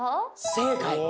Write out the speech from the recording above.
正解！